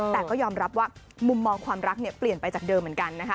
แต่ก็ยอมรับว่ามุมมองความรักเนี่ยเปลี่ยนไปจากเดิมเหมือนกันนะคะ